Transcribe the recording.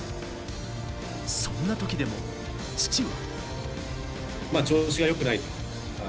そんな時でも父は。